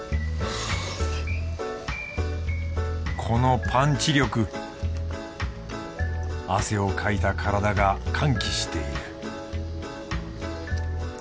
このパンチ力汗をかいた体が歓喜している